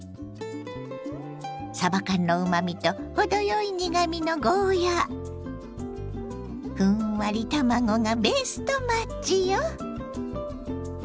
さば缶のうまみと程よい苦みのゴーヤーふんわり卵がベストマッチよ。